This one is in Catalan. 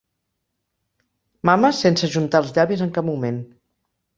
Mames sense ajuntar els llavis en cap moment.